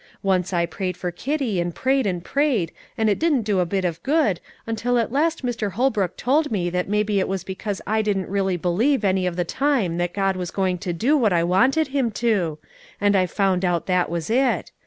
Once I prayed for Kitty, and prayed and prayed, and it didn't do a bit of good, until at last Mr. Holbrook told me that maybe it was because I didn't really believe any of the time that God was going to do what I wanted Him to; and I found out that was it.